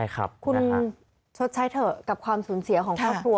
คุณชดใช้เถอะกับความสูญเสียของครอบครัว